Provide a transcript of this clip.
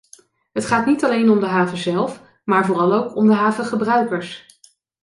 Het gaat niet alleen om de haven zelf, maar vooral ook om de havengebruikers.